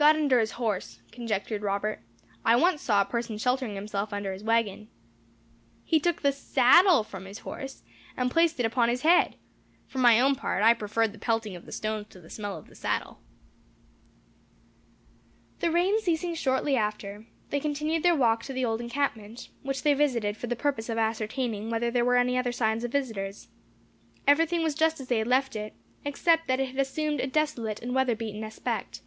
"Got under his horse," conjectured Robert. "I once saw a person sheltering himself under his wagon." "He took the saddle from his horse, and placed it upon his head. For my own part, I preferred the pelting of the stones to the smell of the saddle." The rain ceasing shortly after, they continued their walk to the old encampment, which they visited for the purpose of ascertaining whether there were any other signs of visitors. Everything was just as they had left it, except that it had assumed a desolate and weather beaten aspect.